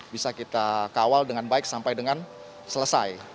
bisa kita kawal dengan baik sampai dengan selesai